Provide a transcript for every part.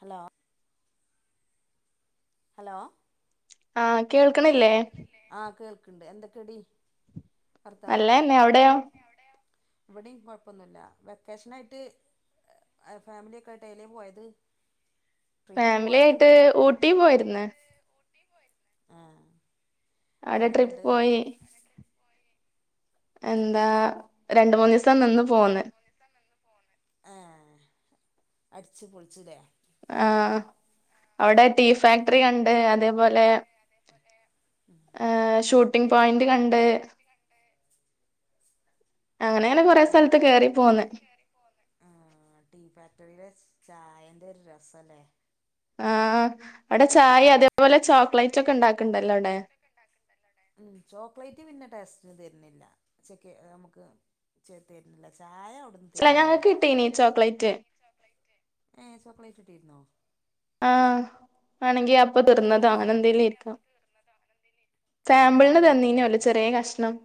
Hello hello ആ കേൾക്കണില്ലേ ണ്ട് എന്തൊക്കെടി നല്ലെന്നെ അവിടെയോ ഇവിടേം കോയിപ്പൊന്നുല്ല വെക്കേഷനായിട്ട് ഫാമിലിയൊക്കെ ആയിട്ട് ഏലെ പോയത് ട്രിപ്പ് ഫാമിലി പോയത് ആയിട്ട് ഊട്ടി പോയിരുന്ന് ആ അവിടെ ട്രിപ്പ് പോയി എന്താ രണ്ട് മൂന്ന് ദിവസം നിന്ന് പോന്ന് ആ അടിച്ച് പൊളിചൂല്ലേ ആ അവിടെ ടീ ഫാക്ടറി കണ്ട ണ്ട്‌ അതേപോലെ ശൂ പിൻപോയിന്റ് കണ്ട്‌ അങ്ങനെ അങ്ങനെ കൊറെ ടീ സ്ഥലത്ത് കേറി പോന്ന് ആഹ് ടീ ഫാക്ടറിയിലെ ചായന്റെ ഒരു രസല്ലേ ആഹ് അവിടെ ചായ അതെ തെപോലെ ചോക്ലേറ്റ് ഒക്കെ ഉണ്ടാക്കണ്ടല്ലോ അവിടെ തന്നില്ല ചെക്ക്നമുക്ക് തരില്ല ചായ അവിടുന്ന് ചില തരുന്നുണ്ട് ഞങ്ങൾക്ക് കിട്ടീന ചോക്ലേറ്റ് ഏ ചോക്ലേറ്റ് ഇട്ടിരുന്നോ ആ ആണെങ്കി അപ്പൊ തീർന്നത് ഞങ്ങൾക്ക് അവന തന്നിട്ടില്ല എന്തേല ഇരിക്കാം ഏഹ് സാമ്പിളിന് ഞങ്ങൾക്ക് തന്നീനല്ല തന്നിട്ടില്ല ചെറിയ കഷണം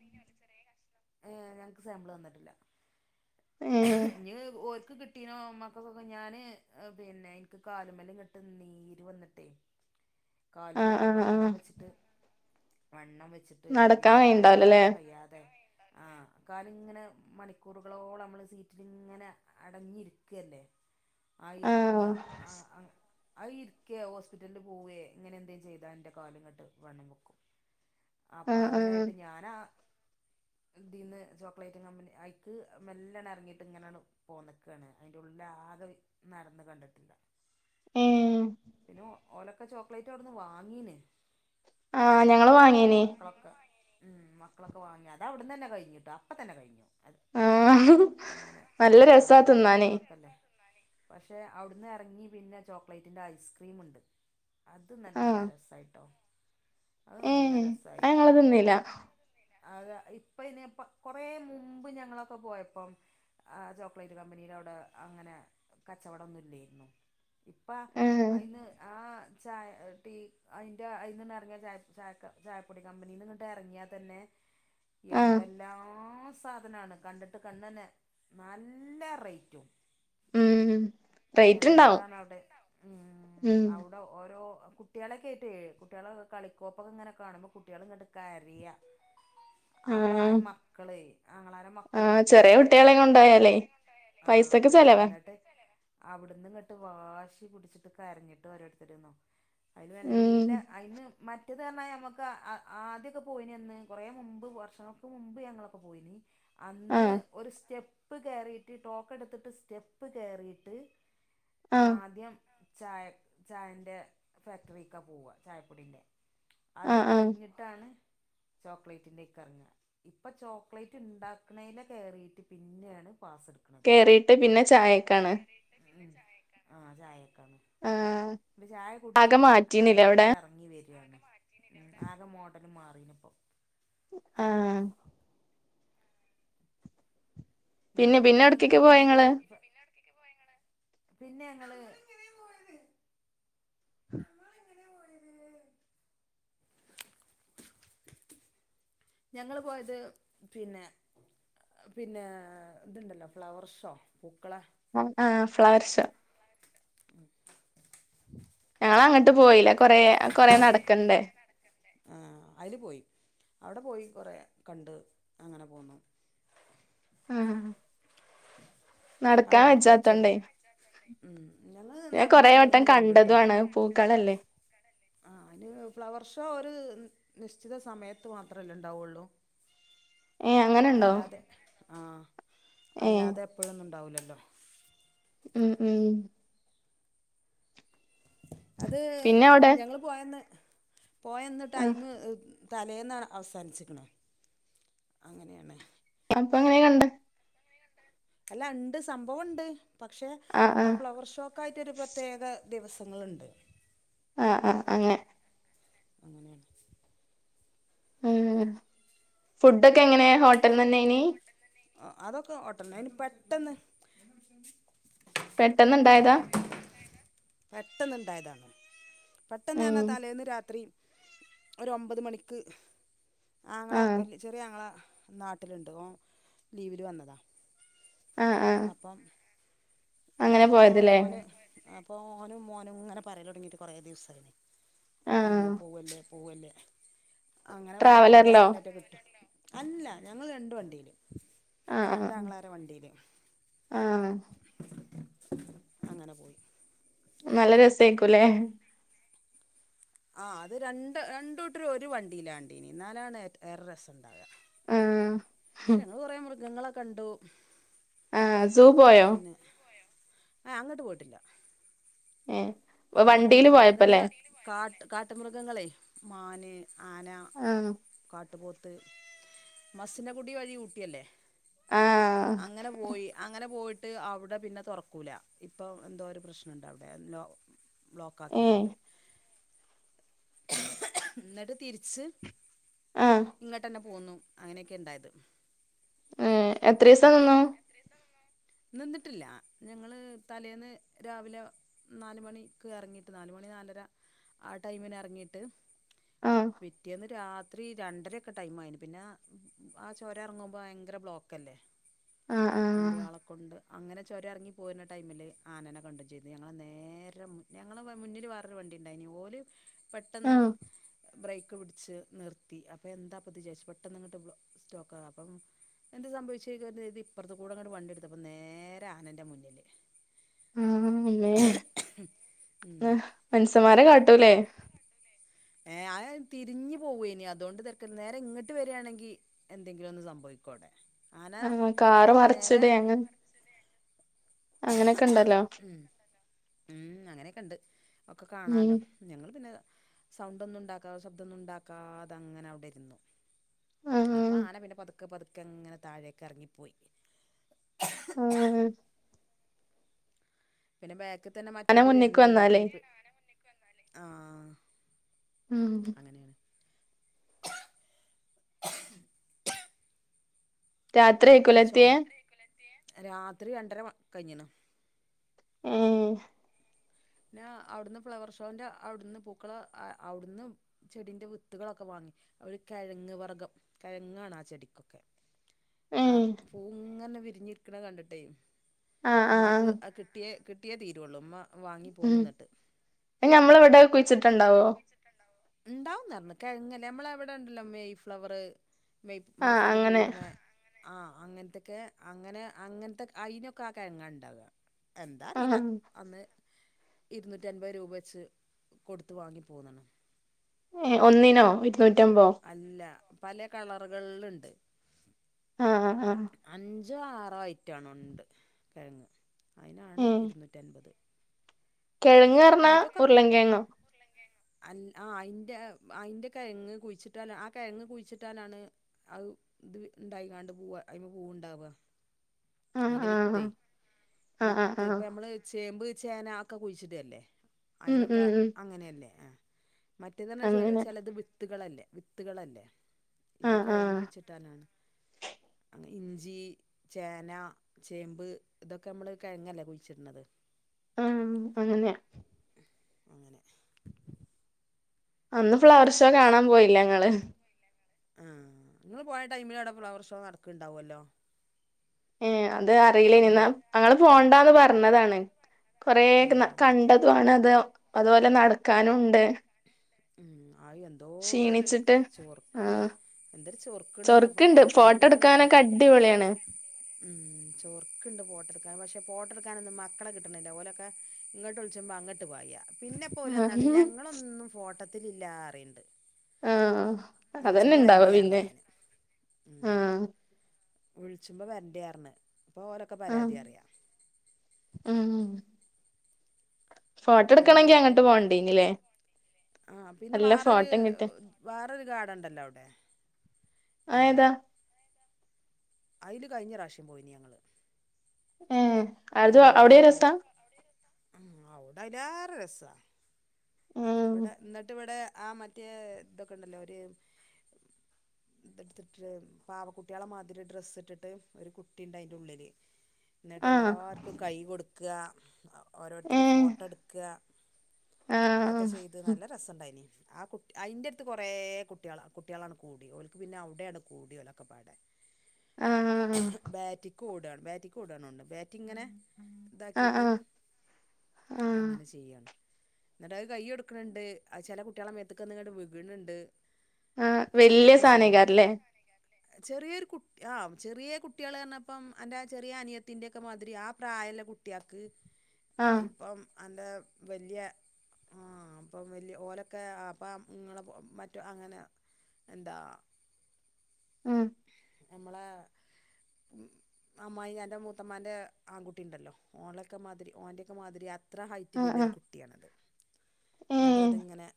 സാമ്പിൾ തന്നിട്ടില്ല ഏഹ് നീർ വോര് മക്ക് കിട്ടീനോ മക്കൊക്കെ ഞാന് പിന്നെ എനിക്ക് കാലുമല്ലും കട്ട് നീര് വന്നിട്ടെ കാലും ആഹ് കെട്ട് ആഹ് ആഹ് വണ്ണം വെച്ചിട്ട് വണ്ണം വച്ച്ട്ട് നടക്കാൻ പിന്നെ ഇൻക്ക് വഴിണ്ടാവൂലല്ലേ നട്ക്കാൻ കഴിയാതായി. ആ കാല് ഇങ്ങനെ മണിക്കൂറുകളോളം നമ്മള് സീറ്റ്ല് ങ്ങനെ അടഞ്ഞിരിക്കല്ലേ? ആഹ് ആയിര്ന്നാ അ ആ അയിര്ക്കെ ഓസ് പിറ്റല്ൽ പോവേ ഇങ്ങനെ എന്തേം ചെയ്താന്റെ കാല് ങ്ങട്ട് വണ്ണം വെക്കും. അപ്പ ആഹ് ആഹ് അങ്ങനായിട്ട് ഞാനാ ഇതീന്ന് ചോക്ലേറ്റ് കമ്പനി ഐക്ക് മെല്ലെണർങ്ങീട്ട് ഇങ്ങനാണ്ട് പോന്നക്കാണ്. അയ്ന്റെ ഉള്ള്ലാകെ നടന്ന് കണ്ട്ട്ടില്ല. ഏഹ് പിന്നോ ഓലൊക്കെ ചോക്ലേറ്റ് അവ്ടുന്ന് വാങ്ങീന്. ആഹ് ഞങ്ങള് വാങ്ങീനി. മ്. മക്കളൊക്കെ വാങ്ങ. അതവ്ടുന്നന്നെ കഴിഞ്ഞ്ട്ടോ. അപ്പം തന്നെ കഴിഞ്ഞു. അത് ആഹ് അങ്ങനെ നല്ല ആ രസാത്തിനന്നെ മക്കളൊക്കെല്ലേ പക്ഷെ അവിടുന്ന് എറങ്ങി പിന്നെ ചോക്ലേറ്റിന്റെ ഐസ്ക്രീം ഉണ്ട് അത് നല്ല രസായിട്ടോ ഏ അത് ഞങ്ങള് ത്തിന്നില്ല ഉം അത് ഇപ്പ ഇനിപ്പ കൊറ മുമ്പ് ഞങ്ങളൊക്കെ പോയപ്പം ആഹ് ചോക്ലേറ്റ് കമ്പനിടെ അവിടെ അങ്ങനെ കച്ചവടംന്നുംല്ലായിരുന്നു ഇപ്പ ഏഹ് അയിന്ന് ആഹ് ചായ ടീ അയിന്റെ അയിൽ നിന്ന് ഇറങ്ങിയ ചാ ചാകാ ചായപ്പൊടി കമ്പനിൽ നിന്നിട്ട് എറങ്ങിയാൽ തന്നെ ആഹ് എന്തെല്ലാം സാധനണ് കണ്ടിട്ട് കണ്ണനെ നല്ല റേറ്റും ഉ ഉം റേറ്റ് ഇണ്ടാവും എന്താണ് അവിടെ റേറ്റ് ഉണ്ടാവും ഉം അവിടെ ഓരോ കുട്ടികളെ കേറ്റെ ഏ കുട്ടികളെ കളിക്കോപ്പൊക്കെ ഇങ്ങനെ കാണുമ്പോ കുട്ടികളെങ്ങട്ട് കരെയ ആഹ് പ്രായം മക്കള് അങ്ങളാര മക്കള് ആഹ് ചെറിയ കുട്ടികളെ ചെറിയ കൊണ്ടോയാലേ കുട്ടികളെ കൊണ്ടോയാലേ പൈസക്ക് ആഹ് ചെലവാ പൈസക്ക് ചെലവ അന്നിട്ട് അവിടുന്ന് ഇങ്ങിട്ട് വാശി പിടിച്ചിട്ട് കരഞ്ഞിട്ട് ഓരോരുത്തരന്നോ അതിന് ഉം നല്ല അതിന് മ മറ്റേത് പറഞ്ഞാ ഞമുക്ക് ആദ്യൊക്കെ പോയിന് ന്ന് കുറേ മുമ്പ് വർഷങ്ങൾക്ക് മുമ്പ് ഞങ്ങളൊക്കെ പോയിന് അന്ന് ആഹ് ഒരു സ്റ്റെ സ്റ്റെപ്പ് കെറിയിട്ട് ടോക്ക് എടുത്തിട്ട് സ്റ്റെപ്പ് കെറിയിട്ട് ആഹ് ആദ്യം ചായ ചായൻ്റെ ഫാക്ടറിക്ക പോവ ചായപ്പൊടീൻ്റെ അത് ആഹ് ആഹ് കഴിഞ്ഞിട്ടാണ് ചോക്ലേറ്റിന്റെക്കെ ഇറങ്ങ ഇപ്പൊ ചോക്ലേറ്റ് ഇണ്ടാക്കണേന്റെ കേറിട്ട് പിന്നെയാണ് പാസ് എടുക്കുന്നത് കേറീട്ട് പിന്നെ ചായക്കാണ് ആ ചായക്ക് ആഹ് ഇപ്പൊ ചായ ആകെ കുടിച്ചിട്ട് അടി മാറ്റീനില്ലേ അവിടെ കൂടെ എറങ്ങി വര്യാണ് ആകെ മോഡല് മാറീനിപ്പൊ ആഹ് പിന്നെ നിങ്ങള് പിന്നെ നിങ്ങള് എങ്ങനെ എവിട്ക്കേക്കാ പോയെ പോയിനി അത് ഇങ്ങള് പിന്നെ ഞങ്ങള് ഞങ്ങള് പോയത് പിന്നെ പിന്നെ ഇതുണ്ടല്ലോ ഫ്ലവർ ഷോ പൂക്കള ആഹ് ആഹ് ഫ്ലവർഷോ ഞങ്ങള് അങ്ങട്ട് പോയില്ല കൊറെ കൊറെ നടക്കണ്ടേ കുറെ കണ്ട് അങ്ങനെ പോന്നു ആഹ് ആ നടക്കാൻ അവിടുത്തെ ഒച്ച ആടി വെജാത്തോണ്ടേ ഉം ഞങ്ങള് ഞാൻ നടന്ന് കൊറേ വട്ടം നടന്ന് കണ്ട്ട്ടോ കണ്ടതു ആണ് പൂക്കളല്ലേ ആ അ ഫ്ലവർ ഷോ ഒരു- നിശ്ചിത സമയത്ത് മാത്രല്ലേ ഉണ്ടാവുള്ളൂ ഏ അങ്ങനെണ്ടോ അല്ലാതെ ആ ഏ അല്ലാതെ എപ്പോഴൊന്നും ഉണ്ടാവൂലല്ലോ [unintelligible] ഉം ഉം അത് പിന്നെ അവിടെ ഞങ്ങള് പോയന്ന് പോയന്ന് ആ ടൈമ്- തലേന്നാണ് അവസാനിച്ചിക്കണേ അങ്ങനെയാണ് എപ്പ പോയി കണ്ട് അല്ല ഇണ്ട് സംഭവം ഒണ്ട് പക്ഷേ ആ ഫ്ലവർഷോക്കായിട്ടൊരു പ്രത്യേകത ദിവസങ്ങളുണ്ട് ആഹ ആഹ അങ്ങ അങ്ങനെ ഉം ഫുഡൊക്കെ എങ്ങനെ ഹോട്ടൽന്ന ന്നേനി ആ അതൊക്കെ ഓട്ടൽന്നെ അയിന് പെട്ടന്ന് പെട്ടെന്നിണ്ടായതാ? പെട്ടെന്ന് ഉണ്ടായതാ പെട്ടന്ന് ഉം തന്നെ തലേന്ന് രാത്രീ ഒരു ഒമ്പത് മണിക്ക് ആങ്ങള ആ വല്യ ചെറിയ ആങ്ങള നാട്ടിലുണ്ട് ഓ ലീവില് വന്നതാ ആ ആ അപ്പം അങ്ങനെ അപ്പോ പോയതല്ലേ ഓന് അ ഓനും മോനും ഇങ്ങന പറയുന്നു കൊറേ ദിവസായി ആ നമ്മള പോവുവല്ലേ പോവുവല്ലേ അങ്ങനെ പറഞ്ഞപ്പോ വല്യ ട്രാവലറിലോ ആങ്ങളേന്റെ കുട്ടി അല്ല ഞങ്ങള് രണ്ട് വണ്ടീല് ആ ആ രണ്ടാങ്ങളാര വണ്ടീല് ആ [inaudible] അങ്ങനെ പോയി നല്ല രസായിക്കൂല്ലേ ആ അത് രണ്ടൂട്ടര് ഒരു വണ്ടിലാണ് എന്നാലാണ് ഏറെ രസണ്ടാവുക ആ പക്ഷെങ്ങള് കുറേ മൃഗങ്ങള് കണ്ടു ആഹ സൂ പോയോ? പിന്നെ ആ അങ്ങട്ട് പോയിട്ടില്ല ഏഹ് അങ്ങട്ട് വണ്ടീല് പോയിട്ടില്ല പോയപ്പല്ലേ മൃഗങ്ങള് കാട്ട് കാട്ട്മൃഗങ്ങളെ മാന് ആന കാ ആഹ് കാട്ടുപോത്ത് മസ്സിനകുടി വഴി ഊട്ടിയല്ലേ? ആഹ് അങ്ങനെ പോയി അങ്ങനെ പോയിട്ട് ട്ട് അവിടെ പിന്നെ തൊറക്കൂല ഇപ്പൊ എന്തോ ഒരു പ്രശ്നുണ്ടവിടെ എന്തോ ബ്ലോക്ക് ഏഹ് ആക്കീട്ടുണ്ട് എന്നിട്ട് തിരിച്ച് ആഹ് ഇങ്ങോട്ടന്നെ പോന്നു അങ്ങനെക്കെണ്ടായത് ഉഏ എത്രസം നിന്നു നിന്നിട്ടില്ല ഞങ്ങള്തലേന്ന് രാവിലെ നാല്മണിക്ക് എറങ്ങിട്ട് നാലുമണി നാലര ആ ടൈമിന് എറങ്ങിട്ട് ആഹ് പിറ്റെന്ന് രാവിലെ രാത്രി രണ്ടരക്കെ ടൈം ആയിന്ന് പിന്നെ ആ ചോറുണ്ണുമ്പോൾ ഭയങ്കര ബ്ലോക്ക് അല്ലേ അ ആഹ കൊണ്ട് അങ്ങനെ ചൊരറങ്ങി പോര്ണ ടൈമില് ആനന കഡു ചെയ്ത് ഞങ്ങൾ നേരെ മുന്നേ ഞങ്ങളേ മുന്നില് വേറൊരു വണ്ടി ഉണ്ടായി പെട്ടെന്ന് ആഹ് ബ്രേക്ക് ക്കഒടിച്ച് നിർത്തി അപ്പ എന്ത പെട്ടെന്ന്ട്ട് സ്റ്റോ അപ്പ എന്ത സംഭവിച്ച ഇപ്പറ ണ്ടിെടു അതിപ്പം നേരെ ആനൻ്റെ മുന്നിൽ ആ അമ്മേ ഉം മനുഷന്മാരെ കാട് ട്ടുല്ലേ ഏ ആ തിരിഞ്ഞു പോവു ഇനി അതുകൊണ്ട് തെരക്ക നേരെ ഇങ്ങട്ട് വരിയാണെങ്കി എന്തെങ്കിലും ഒന്ന് സംഭവിക്കോടെ. ആ കാറ് മറച്ചിടെ അങ്ങ്. അങ്ങനെയൊക്കെ ഇണ്ടല്ലോ. മ് അങ്ങനെയൊക്കെ ഇണ്ട്. ഒക്കെ ഉം കാണാലോ ഞങ്ങള് പിന്നെ സൗണ്ടൊന്നും ഉണ്ടാക്കാതെ ശബ്ദം ഒന്നും ഉണ്ടാക്കാതെ അങ്ങനെ അവടെ ഇരുന്നു. ആഹ് അപ്പ ആന പിന്നെ പത് പതുക്കെ പതുക്കെ അങ്ങനെ താഴെക്ക് എറങ്ങിപ്പോയി. ആഹ് പിന്നെ ബാ ക്ക് തന്നെ ആന മറ്റൊല് മുന്നിക്ക് വരിനിണ്ട് അപ്പ വന്നാലേ ഒരു പേ [unintelligible] ആഹ മ് രത്രിയായിരുക്കല്ലേ അത് എത്തിയ? ചുമ രാത്രി രണ്ടര കഴിഞ്ഞീണു. ഉം പിന്നെ അവിടുന്ന് ഫ്ലവർ ഷോന്റെ അവിടുന്ന് പൂക്കള അ അവിടുന്ന് ചെടിന്റെ വിത്തുകളൊക്കെ വാങ്ങി, ഒരു കിഴങ്ങ് വർഗ്ഗം കിഴങ്ങാണ് ആ ചെടിക്കൊക്കെ. ആ ഏഹ് പൂഇങ്ങനെവിരി വിഞ്ഞിരിക്കണ കണ്ടിട്ടേ ആഹ് ആഹ് മ്മാക് ആഹ് അത് കിട്ടിയേ കി കിട്ടിയെ തീരുവൊള്ളു ഉമ്മ വ മ് നഞമ്മളവിട കുഴിച്ച ട്ടണ്ടാവോ? [inaudible] ഉണ്ടാവുന്നാർന്നു പറഞ്ഞ്, കിഴങ്ങല്ലേ നമ്മള വിടെണ്ടല്ലോ മെയ് ഫ്ലവറ്. മെയ് ആഹ് മാസത്തില് അങ്ങനെ പൂവിടണ ആഹ അങ്ങനത്തെക്കെ അങ്ങനെ അങ്ങനത്തെ അയിനൊക്കെ ആ കിഴങ്ങാ ഇണ്ടാവുക. എന്താ അറിയില്ല ആഹ് അന്ന്. ഇരുന്നൂറ്റി അൻപത് രൂപ വെച്ച് കൊടുത്തു വാങ്ങി. പോന്നണ് ഒന്നിനോ ഇ അല്ല. പല കളറുകളിൽ ആഹ് ആ ആഹ്. ഞ്ചോ ആറോ ആയിറ്റാണുണ്ട് കിഴങ്ങ് അയിനാണ് ഉം ഇരുന്നൂറ്റൻപത് കിഴങ്ങ് പറന്നാ ഉരുളങ്കിഴങ്ങോ അല്ല ആ അയിന്റെ അയിന്റെ കെഴങ്ങ് കുഴിച്ചിട്ടാലാ ആ കെഴങ്ങ് കുഴിച്ചിട്ടാലാണ് അത് ഇത് ഇണ്ടായി കണ്ട് പൂവ അതിമ്മെ പൂവുണ്ടാവുക ആഹ് അതിന്റെ ആഹ് വിത്തെ ആഹ് ആഹ് വിത്ത് ആഹ് ഇപ്പ നമ്മള് ചേമ്പ് ചേന ആക്കെ കുഴിച്ചിടുകല്ലേ ഉം അതിനൊക്കെ ഉം ഉം അങ്ങനെയല്ലേ മറ്റേതന്നെ ചെ അങ്ങനെ ചെലത് വിത്തുകളല്ലേ? വിത്തുകളല്ലേ? ഇത് ആഹ് കെഴങ്ങ് ആഹ് വെച്ചിട്ടാണോ? ഇഞ്ചി, ചേന, ചേമ്പ് ഇതൊക്കെ നമ്മള് കെഴങ്ങല്ലേ കുഴിച്ചിടണത്? ആഹ് അങ്ങനെയാ? അങ്ങനെ. [unintelligible] ഫ്ലവർ ഷോ ആ കാണാൻ പോയില്ലെങ്ങള്? ആഹ് ഇങ്ങള് പോയ ടൈമില് അവിടെ ഫ്ലവർ ഷോ നടക്കുണ്ടാവല്ലോ. ആഹ് എന്താ അറിയില്ല ഇയിനിന്നും. ഞങ്ങള് പോണ്ടാന്ന് പറ പറഞ്ഞതാണ്. കൊറേ ആഹ് കണ്ടതും ആണത്. അതുപോലെ നടക്കാനും ഒണ്ട്. ഉം ആയി എന്തോ ഒരു ചൊറുക്കുണ്ട്. ആഹ് എന്തരു ചൊറുക്കുണ്ടെന്നാ ചൊറുക്കുണ്ട് ഫോട്ടോ പൂക്കളിങ്ങനെ കാ. എടുക്കാനൊക്കെ ഫോട്ടോ അടിപൊളിയാണ് എടുക്കാനൊക്കെ അടിപൊളിയാണ്. മ്ഹ് ചൊറുക്കുണ്ട് പോട്ടോയെടുക്കാൻ. പക്ഷേ പോട്ടോ എടുക്കാനൊന്നും മക്കളെ കിട്ടണില്ല. ഓലൊക്കെ ഇങ്ങട്ട വിളിച്ചുമ്പം അങ്ങോട്ട് പാരാ. പിന്നെ പോലെ ആഹ് എന്നാണ് ഞങ്ങളൊന്നും ഓട്ടത്തിലില്ലാ അറിയെണ്ട് ആഹ് അതല്ലെ ഇണ്ടാവ പർഞ്ഞ് പിന്നെ ഞാന് ഉം ആഹ് വിളിച്ചുമ്പോ വരണ്ടെ ആർന്ന്. ഓലക്കെ ആഹ് പരാതി അറിയാം ഉം ഫോട്ടോ പിന്നെ എടുക്കണെങ്കി എന്തൊക്കെയാ? അങ്ങട്ട് പോണ്ടീനില്ലേ ആഹ് പിന്നെ നല്ല വാറൊരു ഫോട്ടം കിട്ടി വേറോരു ഗാഡൊണ്ടല്ലോ അവിടെ? ആ എന്താ? ഏതാ അതില് കഴിഞ്ഞ പ്രാവശ്യം പോയിന് ഞങ്ങള്. ഏഹ് അതും അവിടെയും രസാ ഉം അവിട അയിലേറ രസാ ഉം ഇവിട എന്നിട്ട് ഇവിടേ ആ മറ്റേ ഇതൊക്കെ ഇണ്ടല്ലോ ഒരു ഇതുടുത്തിട്ട് പാവക്കുട്ടികളെ മാതിരി ഡ്രസ്സ് ഇട്ടിട്ട് ഒരു കുട്ടിയുണ്ട് അതിന്റെ ഉള്ളില് എന്നിട്ട് ആ എല്ലാർക്കും കൈ കൊടു ക്ക് ഓരോരുത്തർ ഏ ഫോട്ടോ എടുക്കാ ആ ഒക്കെ ചെയ്ത് നല്ല രസംണ്ടായിന് ആ കുട്ടി അയിന്റെ അടുത്ത് കുറെ കുട്ടികള കുട്ടികളാണ് കൂടിയോഓലക്ക് പിന്നെ അവിടെയാണ് കൂടിയോഓലൊക്കെ പാട ആ ബാറ്റി കൂടാണ് ബാറ്റി കൂടാനുണ്ട് ബാറ്റി ഇങ്ങനെ ആ ഇതാക്കിട്ട് ആ ആ അങ്ങനെ ചെയ്യാണ് എന്നിട്ട അത് കയ്യ കൊടുക്കുന്നുണ്ട് ആ ചില കുട്ടികളെ മേത്തേക്ക്വന്നങ്ങട് വീഴ്നുണ്ട് ആഹ വല്യ [unintelligible] ചെറിയൊരു കു ആ ചെറിയ കുട്ടികള് എന്നപ്പം എന്റെ ചെറിയ അനിയത്തിനന്റൊക്കെ മാതിരി ആ പ്രായല്ല കുട്ടികൾക്ക് ആ ഇപ്പം അൻ്റെ വലിയ ആ അപ്പം വലിയ ഓലൊക്കെ അപ്പം നിങ്ങൾ മറ്റ അങ്ങനെ എന്താ ഉം നമ്മളെ അമ്മായിയും എൻ്റെ മൂത്തമ്മ്മാൻ്റെ ആൺകുട്ടിയുഉണ്ടല്ലോ ഓനൊക്കെ മാതിരി ഓന്റൊക്കെ മാതിരി എത്ര ആ ഹൈറ്റിൽ ആ ലുള്ളരു കുട്ടിയാണത് എന്നിട്ട് അതിങ്ങനെ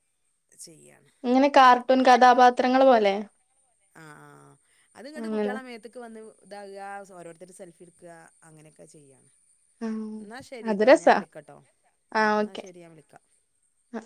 ചെയ്യാണ് അങ്ങനെ കാർട്ടൂൺ കഥാപാത്രങ്ങൾ പോല ല്ലെ ആഹ ആഹ അത് ങ്ങെട്ട് കുട്ട്യളെ മേത്ത്ക്ക് വന്ന് ഇതാ ആ ഓരോരുത്തര് സെൽഫി എടുക്കാ അങ്ങനെയൊക്കെ ചെയ്യാ ആ എന്നാ അത് ശരിട്ടോ ഞാൻ രസാ വിളിക്കട്ടോ ആ ഉ എന്നാ ഓക്കെ ശരി ഞാൻ വിളിക്കാം ആ